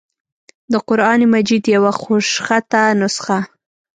دَقرآن مجيد يوه خوشخطه نسخه